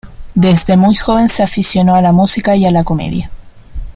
Desde muy joven se aficionó a la música y a la comedia.